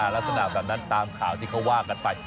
ลักษณะแบบนั้นตามข่าวที่เขาว่ากันไป